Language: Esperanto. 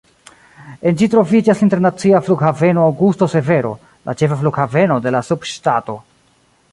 En ĝi troviĝas la Internacia Flughaveno Augusto Severo, la ĉefa flughaveno de la subŝtato.